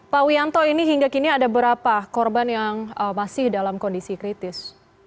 pak wianto ini hingga kini ada berapa korban yang masih dalam kondisi kritis